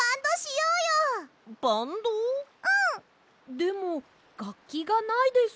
でもがっきがないです。